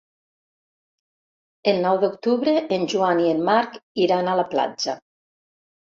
El nou d'octubre en Joan i en Marc iran a la platja.